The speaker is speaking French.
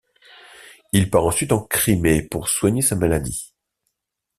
Il part ensuite en Crimée pour soigner sa maladie.